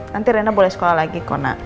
nanti kan rena sekolah lagi